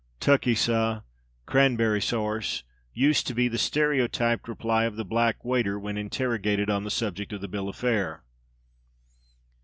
"Tukkey, sah, cranberry sarce," used to be the stereotyped reply of the black waiter when interrogated on the subject of the bill of fare.